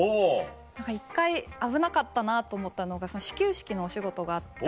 １回危なかったなと思ったのが始球式のお仕事があって。